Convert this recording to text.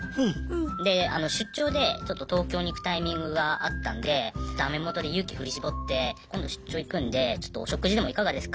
で出張でちょっと東京に行くタイミングがあったんでダメ元で勇気振り絞って今度出張行くんでちょっとお食事でもいかがですか？